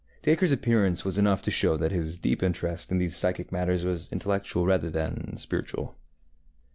DacreŌĆÖs appearance was enough to show that his deep interest in these psychic matters was intellectual rather than spiritual.